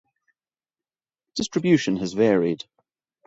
Distribution has varied.